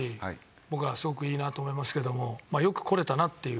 僕はすごくいいなと思いますけどもよく来れたなっていう